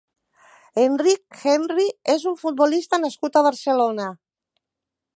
Enric Henry és un futbolista nascut a Barcelona.